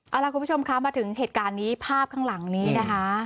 เอาล่ะคุณผู้ชมคะมาถึงเหตุการณ์นี้ภาพข้างหลังนี้นะคะ